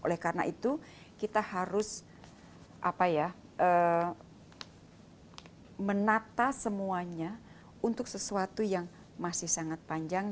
oleh karena itu kita harus menata semuanya untuk sesuatu yang masih sangat panjang